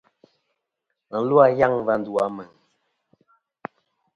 Và lu a yaŋ a va ndu a Meŋ.